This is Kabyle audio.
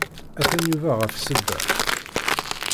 Atan Yuba ɣef ssebba.